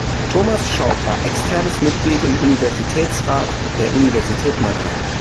Thomas Schaub war externes Mitglied im Universitätsrat der Universität Mannheim.